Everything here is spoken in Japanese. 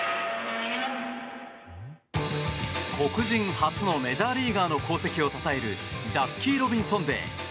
黒人初のメジャーリーガーの功績をたたえるジャッキー・ロビンソンデー。